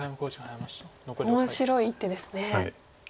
面白い一手ですね。